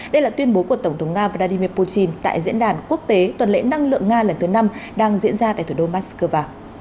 đây là tuyên bố của tổng thống nga vladimir putin tại diễn đàn quốc tế tuần lễ năng lượng nga lần thứ năm đang diễn ra tại thủ đô moscow